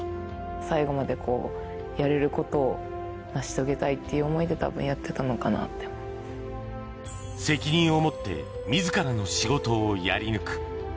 最後まで、やれることを成し遂げたいっていう想いで、たぶんやってたのかな責任を持って、みずからの仕事をやり抜く。